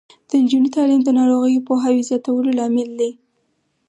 د نجونو تعلیم د ناروغیو پوهاوي زیاتولو لامل دی.